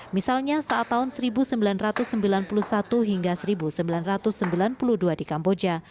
misalnya saat tahun seribu sembilan ratus sembilan puluh satu hingga seribu sembilan ratus sembilan puluh dua di kamboja